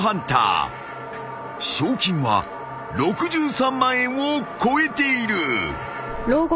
［賞金は６３万円を超えている］